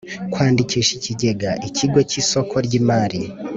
kwandikisha ikigega Ikigo cy isoko ry imari